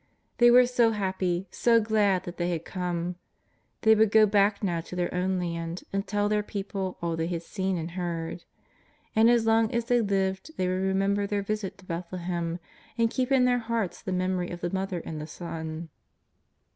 They were so happy, so glad that they had come. They would go back now to their own land and tell their people all they had seen and heard. And as long as they lived they would remem ber their visit to Bethlehem, and keep in their hearts the memory of the Mother and the Son.